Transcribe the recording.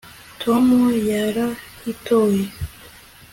tom yarayitoye